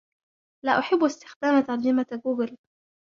لا أحب استخدام ترجمة غوغل.